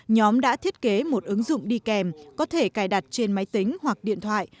nhóm đã thiết kế một ứng dụng đi kèm có thể cài đặt trên máy tính hoặc điện thoại